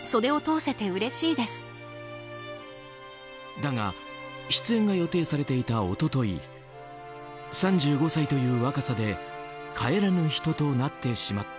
だが、出演が予定されていた一昨日３５歳という若さで帰らぬ人となってしまった。